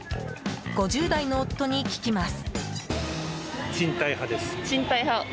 ５０代の夫に聞きます。